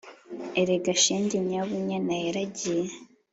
“Erega shenge, Nyabunyana yaragiye,